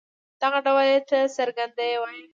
دغه ډول ي ته څرګنده يې وايي.